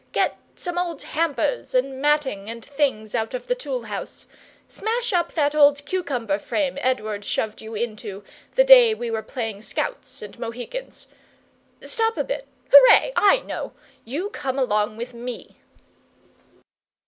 Get some old hampers and matting and things out of the tool house. Smash up that old cucumber frame Edward shoved you into, the day we were playing scouts and Mohicans. Stop a bit! Hooray! I know. You come along with me."